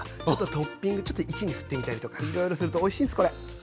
トッピングちょっと一味ふってみたりとかいろいろするとおいしいんすこれ。